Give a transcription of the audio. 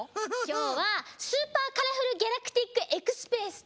きょうは「スーパーカラフルギャラクティックエクスプレス」と。